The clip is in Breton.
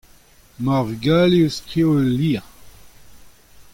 emañ ar vugale o skrivañ ul lizher.